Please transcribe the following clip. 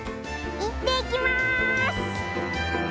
いってきます！